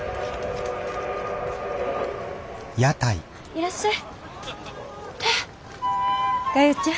いらっしゃい。